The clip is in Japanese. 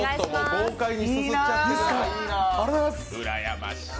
豪快にすすっちゃってください。